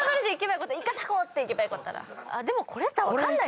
でもこれ分かんない。